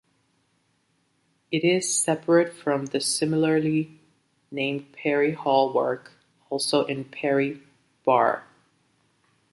It is separate from the similarly named Perry Hall Park, also in Perry Barr.